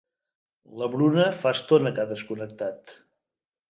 La Bruna fa estona que ha desconnectat.